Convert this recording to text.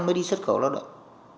mới đi xuất khẩu lao động